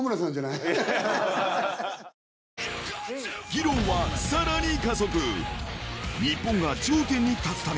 ［議論はさらに加速］